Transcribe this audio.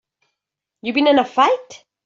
You been in a fight?